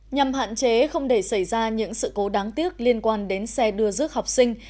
nhằm hạn chế không để xảy ra những sự cố đáng tiếc liên quan đến xe đưa rước học sinh